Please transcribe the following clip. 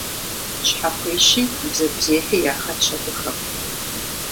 Щхьэхуещи бзэгузехьи яхэтщ абыхэм.